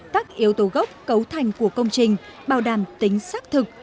các yếu tố gốc cấu thành của công trình bảo đảm tính xác thực